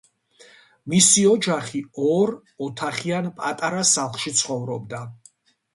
მისი ოჯახი ორ ოთახიან პატარა სახლში ცხოვრობდა.